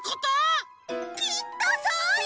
きっとそうよ！